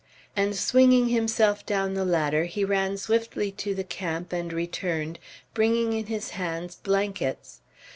And swinging himself down the ladder, he ran swiftly to the camp, and returned, bringing in his hands blankets.